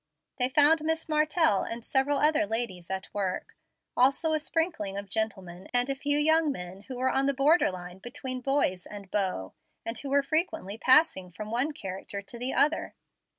They found Miss Martell and several other ladies at work; also a sprinkling of gentlemen and a few young men who were on the border line between boys and beaux, and who were frequently passing from one character to the other.